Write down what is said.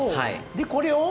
で、これを？